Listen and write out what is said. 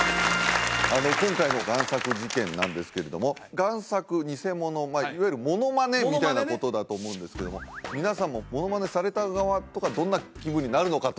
今回の贋作事件なんですけれども贋作偽物いわゆるモノマネみたいなことだと思うんですけれども皆さんもモノマネされた側とかどんな気分になるのかとかね